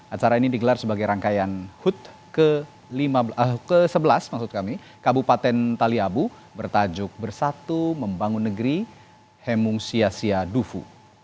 acara ini digelar sebagai rangkaian hud ke sebelas maksud kami kabupaten taliabu bertajuk bersatu membangun negeri hemong sia sia dufu